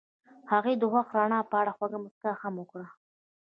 هغې د خوښ رڼا په اړه خوږه موسکا هم وکړه.